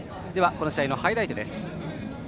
この試合のハイライトです。